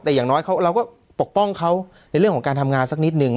แต่อย่างน้อยเราก็ปกป้องเขาในเรื่องของการทำงานสักนิดนึง